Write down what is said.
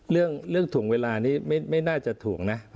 เรื่องถ่วงเวลานี้ไม่น่าจะถ่วงนะ